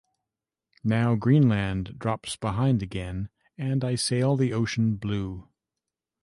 Now Greenland drops behind again, and I sail the ocean Blue.